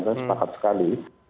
saya sepakat sekali